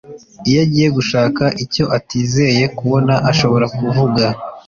iyo agiye gushaka icyo atizeye kubona ashobora kuvuga